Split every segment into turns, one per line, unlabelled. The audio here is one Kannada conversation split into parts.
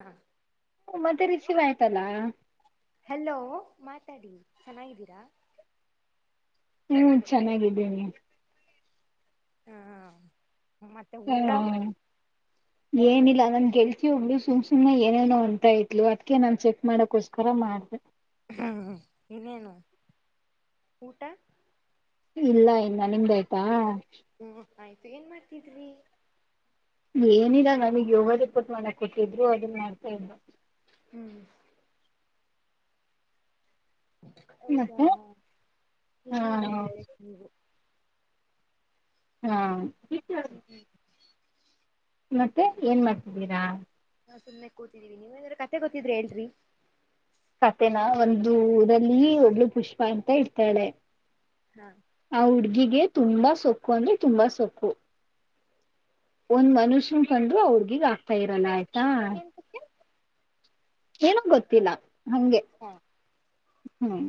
ಹಾ
ಮತ್ತೆ ರಿಷಿವ್ ಆಯ್ತಲ್ಲಾ
ಹಲೋ ಮಾತಾಡಿ ಚೆನ್ನಾಗಿದ್ದೀರಾ
ಹ್ಮ ಚೆನ್ನಾಗಿದ್ದೀನಿ
ಹಾ
ಹ್ಮ್
[unintelligible]
ಏನಿಲ್ಲ ನನ್ ಗೆಲ್ತಿ ಒಗಳು ಸುಮ್ ಸುಮ್ಮನೆ ಏನೇನೋ ಅಂತಾ ಇಅದ್ಕ್ ನಾನು ಚೆಕ್ ಮಾಡಕೋಸ್ಕರ ಮಾಡಿದೆ
ಹ ಇನ್ನೇನು ಊಟ
ಇಲ್ಲ ಇನ್ನ ನಿಮ್ದ ಆಯ್ತಾ
ಹ್ಮ್ ಆಯ್ತು ಏನ್ ಮಾಡ್ತಿದ್ವಿ
ಏನಿಲ್ಲ ನಮಗ್ ಯೋಗದ ಕೊಟ್ಟ ಮಾಡಕ್ ಕೊಟ್ಟಿದ್ರು ಅದನ್ನ ಮಾಡ್ತಾ ಇದು
ಹ್ಮ್ ಹೌದಾ
ಮತ್ತೆ ಹ
ಏನಿಲ್ಲ ಹೇಳ್ಬೇಕ ನೀವು
ಹಾ
ಹ್ಮ್
ಮತ್ತೆ ಏನ್ ಮಾಡ್ತಿದ್ದೀರಾ
ನಾವು ಸುಮ್ನೆ ಕುಂತಿದ್ದೇವೆ ನಿಮಗೆ ಏನಾದರೂ ಕಥೆ ಗೊತ್ತಿದ್ರೆ ಹೇಳ್ರಿ
ಕತೆನ ಒಂದುರಲ್ಲಿ ಒಬ್ಬಳು ಪುಷ್ಪ ಅಂತ ಇಡ್ತಾಳೆ
ಹಾ
ಆ ಹುಡ್ಗಿಗೆ ತುಂಬಾ ಸೊಕ್ಕು ಅಂದ್ರೆ ತುಂಬಾ ಸೊಕ್ಕು ಒಂದ್ ಮನುಷ್ಯನ ಕಂಡು ಅವ್ರಗೆ ಆಗ್ತಾ ಇರಲ್ಲ ಆಯ್ತಾ
ಏನ್ ಕಥೆ
ಏನ ಗೊತ್ತಿಲ್ಲ ಹಂಗೆ
ಹಾ
ಹ್ಮ್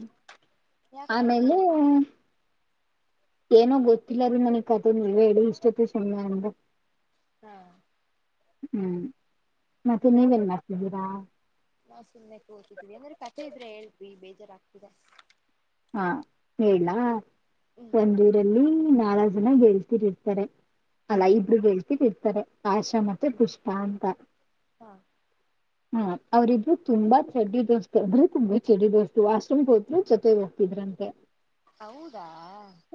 ಯಾಕ
ಆಮೇಲೆ
ಆಗ್ತಿರೋದು
ಏನೋ ಗೊತ್ತಿಲ್ಲ ರೀ ನನಗ್ ಕತೆ ನೀವೇ ಹೇಳಿ ಇಷ್ಟತ್ತು ಸಮಯ ಅಂದ್ರ
ಹಾ
ಹ್ಮ್ ಮತ್ತೆ ನೀವೇನ್ ಮಾಡ್ತಿದ್ದೀರಾ
ನಾವು ಸುಮ್ಮನೆ ಕುಳಿತಿದ್ದೇವೆ ಏನಾದರೂ ಕಥೆ ಇದ್ರೆ ಹೇಳ್ರಿ ಸುಮ್ನೆ ಬೇಜಾರಾಗ್ತಿದೆ
ಹಾ ಹೇಳಲ
ಹ್ಮ್
ಒಂದಊರಲ್ಲಿ ನಾಲ್ಕು ಜನ ಗೆತ ಇರ್ತಾರೆ ಅಲ್ಲ
ಹ್ಮ್
ಇಬರುಗ ಹೇಳ್ತಿರ್ ಇರ್ತಾರೆ ಆಶಾ ಮ ಮತ್ತೆ ಪುಷ್ಪ ಅಂತ
[inaudible]
ಹ್ಮ ಅವ್ರಿದ್ರು ತುಂಬಾ ಚೆಡ್ ದೋಸ್ತ್ ಅ ಆದ್ರೆ ತುಂಬಾ ಚೆಡಿ ದೋಸ್ತು ವಾಶ್ ರೂಂಗೆ ಹೋದ್ರು ಜೊತೆ ಹಿದ್ರಂತೆ
ಹೌದಾ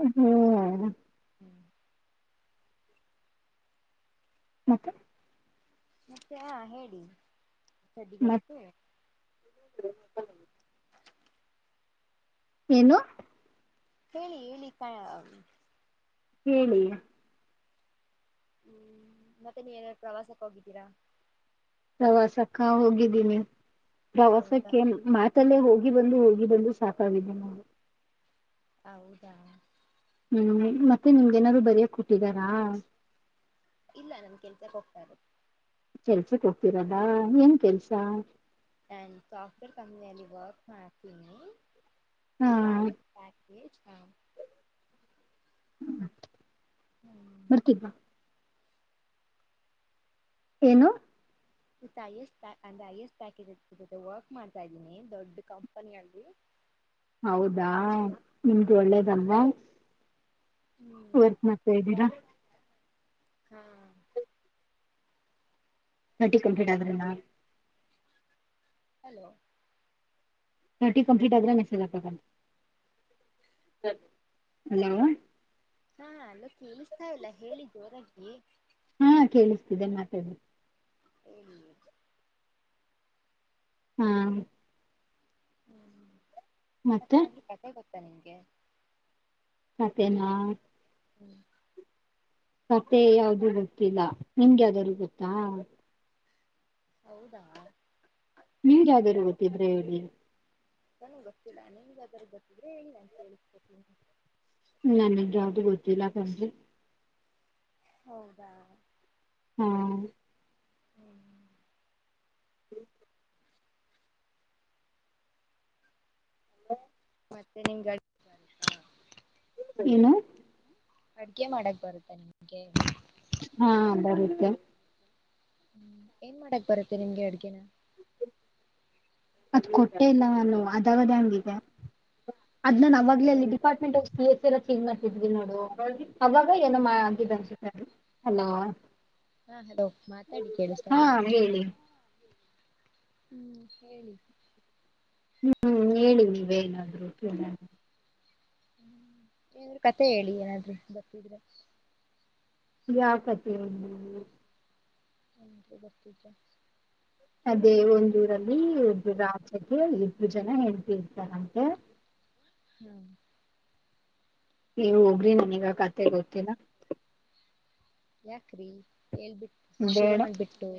ಹ್ಮ್
ಹ್ಞೂ
ಮತ್ತೆ
ಮತ್ತೆ ಆ ಹೇಳಿ ಚಡ್ಡಿದೋಸ್ತಗೆ
ಹ್ಮ [inaudible] ಏನು
ಹೇಳಿ ಹೇಳಿ
ಹೇಳಿ
ಹ್ಮ್ ಮತ್ತೆ ನೀವ್ ಏನಾರು ಪ್ರವಾಸಕ್ಕೆ ಹೋಗಿದ್ದೀರಾ
ಪ್ರವಾಸಕ್ಕ ಹೋಗಿದ್ದೀನಿ
ಹೌದಾ
ಪ್ರವಾಸಕ್ಕೆ ಮತ್ ತ್ತೆಲ್ಲು ಹೋಗಿ ಬಂದು ಹೋಗಿ ಬಂದು ಸಾಕಾಗಿದೆ ನಾವು
ಹೌದಾ
ಹ್ಮ್ ಮತ್ತೆ ನಿಮ್ಗೆ ಏನಾದ್ರು ಬರಿಯಕ್ ಕೊಟ್ಟಿದರಾ
ಇಲ್ಲ ನಮ ಕೆಲ್ಸಕ್ ಹೋಗ್ತಾರೆ
ಕೆಲ್ಸಕ್ ಹೋಗ್ತಿರದಾ ಏನ್ ಕೆಲ್ಸ
ಆ್ಯಂಡ್ ಸಾಫ್ಟ್ವೇರ್ ಕಂಪ್ನಿಯಲ್ಲಿ ವರ್ಕ್ ಮಾಡ್ತಿನಿ
ಹಾ
ವಿತ್ ಆ ಹೈಯಸ್ಟ್ ಪ್ಯಾಕ್ [inaudible] ಹ್ಮ್
ಬರ್ತಿದ್ನ ಏನು
ವಿಥ್ ಅ ಹೈಯಸ್ಟ್ ಪ್ಯಾ ಅಂದ ಹೈಯೆಸ್ಟ್ ಪ್ಯಾಕೇಜ್ ಇತ್ತು ಜೊತೆ ವರ್ಕ್ ಮಾಡ್ತಾ ಇದ್ದೀನಿ ದೊಡ್ಡ ಕಂಪನಿಯಲ್ಲಿ
ಹೌದಾ ನಿಮ್ದು ಒಳ್ಳೇದಲ್ವಾ
ಹ್ಮ್
ವರ್ಕ್ ಮಾಡ್ತಾ ಇದ್ದೀರಾ
ಹಾ
ನಟಿ ಕಂಪ್ಲೀಟ್ ಆಗಿದೆನಾ
ಹಲೋ
ಓಟಿ ಕಂಪ್ಲೀಟ್ ಆಗಿಲ್ಲ ಮೆಸೇಜ್ ಮಾಡ್ತಾ [unintelligible] ಏನು
ಹಾ ಅಲ್ಲ ಕೇಳಿಸ್ತಾ ಇಲ್ಲ ಹೇಳಿ ಜೋರಾಗಿ
ಹಾ ಕೇಳಿಸ್ತಿದೆ ಮಾತಾಡು
ಹೇಳಿ
ಹಾ
ಹ್ಮ್
ಮತ್ತೆ
ಮತ್ತೇನಾದ್ರು ಕತೆ ಗೊತ್ತಾ ನಿಮ್ಗೆ
ಕತೆನಾ
ಹ್ಮ್
ಕತೆ ಯಾವ್ದೂ ಗೊತ್ತಿಲ್ಲ ನಿಮ್ಗೆ ಯಾವ್ದಾರೂ ಗೊತ್ತಾ
ಹೌದಾ
ನಿಮ್ಗೆ ಯಾವ್ದಾರು ಗೊತ್ತಿದ್ರೆ ಹೇಳಿ
ನನುಗ್ ಗೊತ್ತಿಲ್ಲ ನಿಮ್ಗೆ ಯಾವ್ದಾರು ಗೊತ್ತಿದ್ರೆ ಹೇಳಿ ನಾನ್ ಕೇಳಿಸ್ಕೊತೀನಿ
ನನಗ್ ಯಾವ್ದು ಗೊತ್ತಿಲ್ಲ ತಂದ್ರರಿ
ಹೌದಾ
ಹ್ಮ
ಹ್ಮ್.
ಹಲೋ
ಮತ್ತೆ ನಿ ಗಾ
ಏನು
ಅಡ್ಗೆ ಮಾಡಕ್ ಬರುತ್ತೆ ನಿಮಗೆ
ಹಾ ಬರುತ್ತೆ
ಹ್ಮ್ ಏನ್ ಮಾಡಾಕ್ ಬರತ್ತೆ ನಿಮ್ಗೆ ಅಡ್ಗೆನ
ಅದ್ ಕೊಟ್ಟೆ ಇಲ್ಲ ನಾನು ಅದಾಗದ ಹಂಗಿದೆ ಅದ್ ನಾನ್ ಅವಾಗಲೇ ಅಲ್ಲಿ ಡಿಪಾರ್ಟ್ಮೆಂಟ್ ಆಫ್ ಪ ಎಸ್ ಎ ಚೇಂಜ್ ಮಾಡ್ತಿದ್ವಿ ನೋಡು ಏನು ಮಾ ಅ ಹಲೋ
ಹಾ ಹಲೋ ಮಾತಾಡಿ ಕೇಳಿಸ ಸಳ
ಹಾ ಹೇಳಿ
ಹ್ಮ್ ಹೇಳಿ
ಹ್ಮ್ ಹೇಳಿ ನೀವೇಏನಾದ್ರು ಕೇಳ
ಹ್ಮ್ ಏನ್ರರು ಕತೆ ಹೇಳಿ ಏನಾದ್ರೂ ಬತ್ತಿದ್ರೆ
ಯಾಕತ್ತ
ಹರಿ ಬರ್ತೀಜ
ಅದೇ ಒಂದೂರಲ್ಲಿ ಒಬ್ರು ರಾಜ್ಯಕ್ಕೆ ಇಬ್ಬರು ಜನ ಹೆಂಡತಿ ಇರ್ತಾರಂತೆ
ಹ್ಮ
ನೀವು ಹೋಗ್ರಿ ನನೀಗ ಕತೆ ಗೊತ್ತಿಲ್ಲ
ಯಾಕ್ರಿ ಎಲ್ಬಿಟ್ಟ ಶುರು
ಬೇಡ
ಮಾಡ್ಬಿಟ್ಟು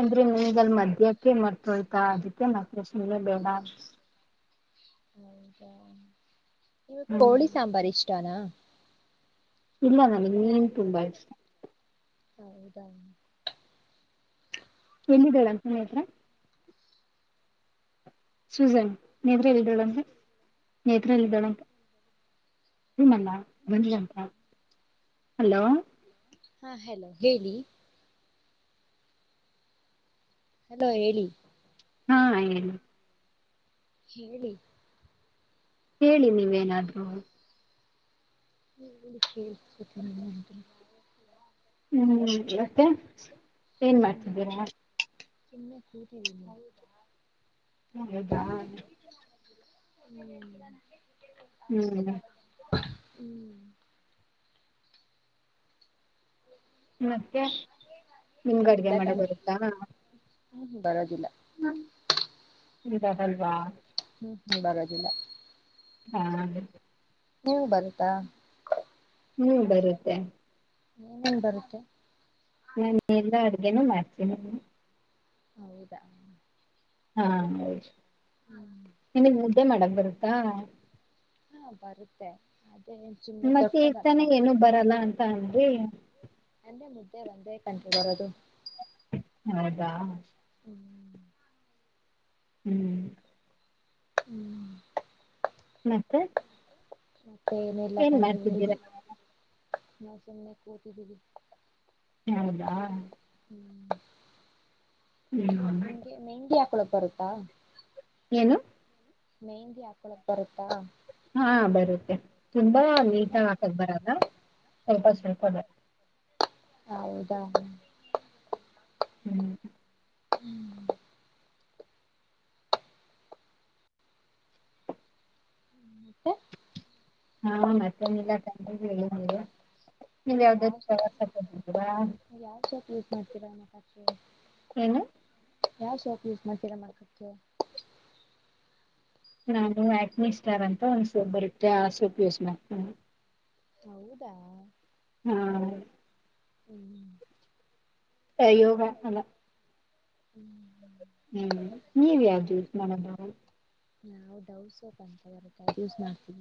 ಅಂದ್ರೆ ನೀಮಗ ಅಲ್ ಮಧ್ಯ್ಯಕ್ಕೆ ಮರ್ತೊಯ್ತಾ ಅದಕ್ಕೆ ನಕಷ್ಮಲೆ ಬೇಡ
ಹೌದಾ ನೀವ
ಹ್ಮ್
ಕೋಳಿ ಸಾಂಬಾರ್ ಇಷ್ಟನಾ
ಇಲ್ಲ ನನಗೆ ನೀನು ತುಂಬಾ ಇಷ್ಟ.
ಹೌದಾ.
ಎಲ್ಲಿದೆಳ ಅಂತ ನೇತ್ರ. ಸುಜನ ನೆತ್ರ ಎಲ್ಲಿ ಇದ್ದಾಳಂತೆ ನೇತ್ರ ಎಲ್ಲಿ ಇದ್ದಾಳಂತೆ [inaudible] ಹಲೋ
ಹಾ ಹಲೋ ಹೇಳಿ. ಹಲೋ ಹೇಳಿ.
ಹಾ ಹೇಳಿ.
ಹೇಳಿ
ಹೇಳಿ ನೀವೇನಾದ್ರು.
ಹ ನ [inaudible]
ಹ್ಮ್ ಮತ್ತೆ ಏನ್
ಹ್ಮ್
ಮಾಡ್ತಿದ್ದೀರಾ.
ಸುಮ್ಮನೆ ಕೂತಿದ್ದೀನಿ ಹೌದಾ
ಹೌದಾ
ಹ್ಮ
ಹ್ಮ್
ಹ್ಮ್
ಮತ್ತೆ ನಿನ್ಗ ಅಡಗೆ
ಏನಿಲ್ಲ
ಮಾಡ
ಕಣ್ರಿ
ಬರುತ್ತಾ
ಹ್ಮ್ ಬರೋದಿಲ್ಲ
ಇದರಲ್ವ.
ಹ್ಮ್ ಬರದಿಲ್ಲ.
ಹಾ
ನಿಂಗ ಬಂತಾ
ಹ್ಮ್ ಬರುತ್ತೆ
ಏನೇನ್ ಬರುತ್ತೆ
ನಾನು ಎಲ್ಲ ಅಡುಗೆನೂ ಮಾಡ್ತೀನಿ
ಹೌದಾ
ಹಾ
ಹ್ಮ್
ನಿನಗ ಮುದ್ದೆ ಮಾಡಕ್ ಬರುತ್ತಾ
ಹಾ ಬರುತ್ತೆ ಅದೇ ಸುಮ್ನೆ
ಮತ್ತೆ ಈಗ ತಾನ
ತೊಟ್ಟದಲ್ವಾ
ಏನು ಬರಲ್ಲ ಅಂತ ಅನ್ರಿ
ನಂದೆ ಮುದ್ದೆ ಒಂದೇ ಕಂ ಬರೋದು
ಹೌದಾ
ಹ್ಮ್
ಹ್ಞೂ
ಹ್ಮ್
ಮತ್ತೆ
ಮತ್ತೆ ಏನಲ್ಲ
ಏನ್
ಕಂಡ್ರೆ
ಮಾಡ್ತಿದ್ದೀರಾ
ಹೇಳ್ಬೇಕು ನ ಸುಮ್ಮನೆ ಕೂತಿದ್ದೀವಿ
ಹೌದಾ
ಹ್ಮ್
ಹ್ಮ
ಮೆಂಗಿ ಹಾಕಳಕ್ ಬರುತ್ತಾ
ಏನು
ಮೆಹಿಂದಿ ಹಾಕೊಳಕ್ ಬರುತ್ತಾ
ಹಾ ಬರುತ್ತೆ ತುಂಬಾ ನೀಟಾಗಿ
ಹ್ಮ್
ಹಾಕದ್ ಬರಲ್ಲ ಸ್ವಲ್ಪ ಸ್ವಲ್ಪ ಬರುತ್ತೆ
ಹೌದಾ
ಹ್ಞೂ
ಹ್ಮ್ ಮತ್ತೆ
ಹಾ ಮತ್ತೆನಿಲ್ಲ ಹೇಳಗೆ
ನೀ ಯಾವ್ ಸಪ ಯಾವ್ ಸೊಪ ಯಸ್ ಮಾಡ್ತೀರಾ ಮಠಕ್ಕೆ
ಹ್ಮ
ಯಾವ್ ಶಾಪ್ ಯೂಸ್ ಮಾಡ್ತೀರಾ ಮಾಡ್ಕಕ್ಕೆ
ನಾನು ಆಕ್ನಿ ಸ್ಟಾರ್ ಅಂತ ಒಂದು ಸೂಪ್ ಬರುತ್ತೆ ಆ ಸೋಪ್ ಯೂಸ್ ಮಾಡತೀ
ಹೌದಾ
ಹ್ಮ
ಹ್ಮ್
ಯೋಗಾ ಅಲ್ಲ
ಹ್ಮ್ ಹ್ಮ್
ಹ್ಮ್ ನೀವ ಯಾವ್ದ ಯೂಸ್ ಮಾಡದದು
ನಾವು ಡೌಸೋಪ್ ಅಂತ ಬರುತ್ತೆ ಅದು ಯೂಸ್ ಮಾಡ್ತೀ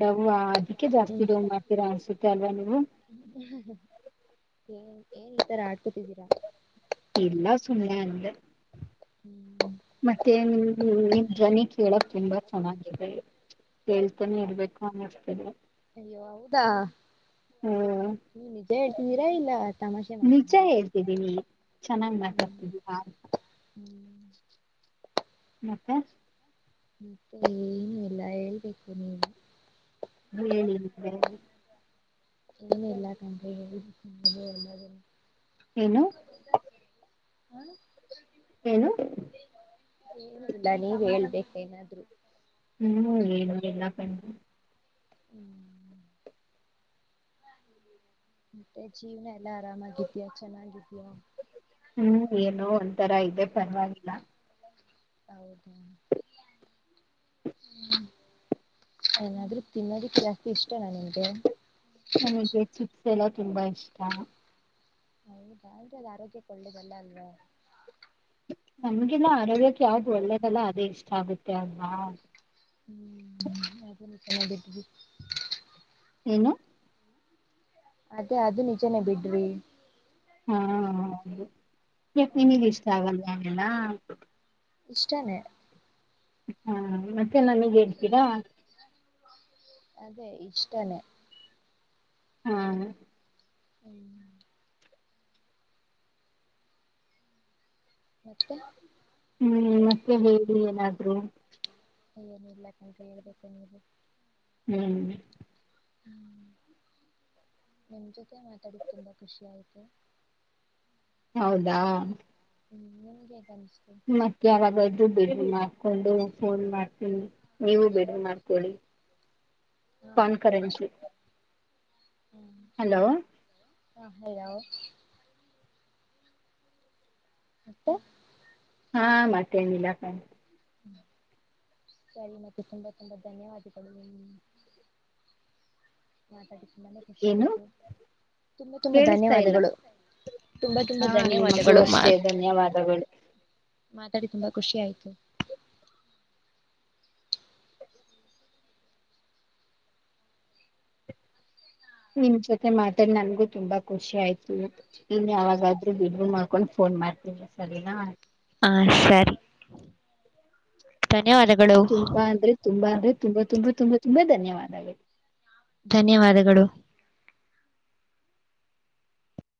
ಡವ ಅದಕ್ಕೆ ಜಾಸ್ತಿ ಡವ ಮಾಡ್ತೀರಾ ಅನ್ಸುತ್ತೆ ಅಲ್ವಾ ನೀವು
ಏ ಏನ್ ಈತರ ಆಡ್ಕೊತಿದ್ದೀರಾ
ಎಲ್ಲಾ ಸನ್ನ ಅಂದ
[unintelligible]
ಮತ್ತೆ ನಿಮ್ ಧ್ವನಿ ಕೇಳಕ್ ತುಂಬಾ ಚೆನ್ನಾಗಿದೆ ಕೇಳ್ತಾನೆ ಇಡ್ಬೇಕು ಅನ್ನಿಸ್ತೇನೆ
ಅಯ್ಯೋ ಹೌದಾ
ಹ್ಮ್
ನೀ ನಿಜ ಹೇಳ್ತಿದ್ದೀರಾ ಇಲ್ಲ ತಮಾಷೆ
ನಿಜ
ಮಾಡ್ತಿದ್ದೀರಾ
ಹೇಳ್ತಿದ್ದೀನಿ ಚೆನ್ನಾಗ್
ಹ್ಮ್
ಮಾತಾಡ್ತಿದಾ
ಹ್ಮ್
ಮತ್ತ
ಮತ್ತೆ ಏನು ಎಲ್ಲ ಹೇಳ್ಬೇಕು ನೀವು
ಏನಿಲ್ಲ
ಏನು ಎಲ್ಲಾ ಕಂಟ್ರಿಗೆ ಎಲ್ಲ
ಏನು
ಹ
ಏನು
ಎಲ್ಲ ನೀವ್ ಹೇಬೇಕ ಏನಾದ್ರು
ಹ್ಮ್ ಏನು ಎಲ್ಲ ಕಂಡ
ಹ್ಮ್ ಮತ್ತೆ ಜೀವ್ನ ಎಲ್ಲಾ ಆರಾಮಾಗಿದ್ಯಾ ಚೆನ್ನಾಗಿದ್ಯಾ
ಹ್ಮ್ ಏನು ಒಂತರ ಇದೆ ಪರವಾಗಿಲ್ಲ
ಹೌದ ಹ್ಮ್ ಏನಾದರೂ ತಿನ್ನೋದಿಕ್ಕೆ ಜಾಸ್ತಿ ಇಷ್ಟನಾ ನಿನ್ಗೆ
ನನಗೆ ಚಿಪ್ಸ್ ಎಲ್ಲ ತುಂಬಾ ಇಷ್ಟ
ಹೌದಾರೆ ಅದು ಆರೋಗ್ಯಕ್ಕೆ ಒಳ್ಳೇದಲ್ಲ ಅಲ್ವಾ
ನಮ್ಗಿಲ್ಲ ಆರೋಗ್ಯಕ್ಕೆ ಯಾವ್ದು ಒಳ್ಳೇದಲ್ಲ ಅದೇ ಇಷ್ಟ ಆಗುತ್ತೆ ಅಲ್ವಾ
ಹ್ಮ್ ಅ ಚೆನ್ನಿದ್ದೀವಿ
ಏನು
ಅದೇ ಅದು ನಿಜನೇ ಬಿಡ್ರಿ
ಹಾ ಹೌದು ಚಿನಿಗೆ
ಹ್ಮ್
ಇಷ್ಟ ಆಗಲ್ಲ ಅವೆಲ್ಲ
ಇಷ್ಟಾನೇ
ಹಾ ಮತ್ತೆ ನನಗ್ ಹೇಳ್ತೀರಾ
ಅದೇ ಇಷ್ಟಾನೇ
ಹಾ
ಹ್ಮ್ [unintelligible]
ಹ್ಮ್ ಮತ್ತೆ ಹೇಳಿ ಏನಾದ್ರು
[inaudible]
ಹ್ಮ್
[inaudible]
ಹೌದಾ
ಹ್ಮ್ ನಿಮ್ಗನಿಸ್ತು
ಮತ್ತೆ ಯಾವಾಗದು ಬಿಡ ಮಾಡ್ಕೊಂಡು ಫೋನ್ ಮಾಡ್ತೀನಿ ನೀವು ಬಿಡು ಮಾಡ್ಕೊಳ್ಳಿ ಕಾನ್ ಕರೆನ್ಸಿ
ಹ್ಮ್
ಹಲೋ
ಹಾ ಹೇಳ ಯಾವು ಮತ್ತೆ
ಹಾ ಮತ್ತೇನ ಇಲ್ಲಾಪ್ಪಾ
ಹ್ಮ ಸರಿ ಮತ್ತೆ ತುಂಬಾ ತುಂಬಾ ಧನ್ಯವಾದಗಳು ಮಾತಾಡ್ ತುಂಬಾನೇ ಖುಷಿ
ಏನು
ಆಯ್ತು ತುಂಬಾ ತುಂಬಾ
ಕೇಳಿಸ್ತಾ ಇಲ್ಲ
ಧನ್ಯವಾದಗಳು ತುಂಬಾ ತುಂಬಾ
ಹಾ ನಿಮಗೂ
ಧನ್ಯವಾದಗಳು ಮಾ
ಅಷ್ಟೇ ಧನ್ಯವಾದಗಳು
ಮಾತಾಡಿ ತುಂಬಾ ಖುಷಿ ಆಯ್ತು
ನಿಮ್ಮ ಜೊತೆ ಮಾತಾಡ್ ನನ್ಗು ತುಂಬಾ ಖುಷಿ ಆಯ್ತು ಇನ್ನು ಯಾವಾಗಾದ್ರೂ ಬಿಡು ಮಾಡ್ಕೊಂಡು ಫೋನ್ ಮಾಡ್ತೀನಿ ಸರಿನಾ
ಆ ಸರಿ ಧನ್ಯವಾದಗಳು
ತುಂಬಾ ಅಂದ್ರೆ ತುಂಬಾ ಅಂದ್ರೆ ತುಂಬಾ ತುಂಬಾ ತುಂಬಾ ತುಂಬಾ ಧನ್ಯವಾದಗಳು
ಧನ್ಯವಾದಗಳು